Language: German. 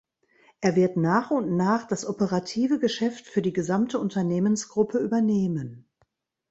Er wird nach und nach das operative Geschäft für die gesamte Unternehmensgruppe übernehmen.